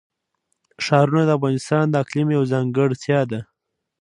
ښارونه د افغانستان د اقلیم یوه ځانګړتیا ده.